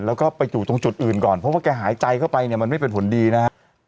แล้วก็ไปอยู่ตรงจุดอื่นก่อนเพราะว่าแกหายใจเข้าไปเนี่ยมันไม่เป็นผลดีนะฮะ